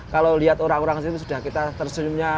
kalau lihat orang orang disitu sudah kita tersenyumnya